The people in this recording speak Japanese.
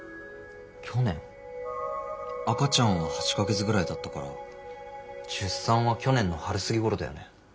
去年赤ちゃんは８か月ぐらいだったから出産は去年の春過ぎ頃だよね？